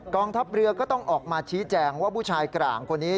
ทัพเรือก็ต้องออกมาชี้แจงว่าผู้ชายกลางคนนี้